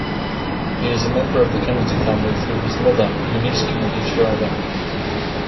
He is a member of the Kennedy Family through his mother, Eunice Kennedy Shriver.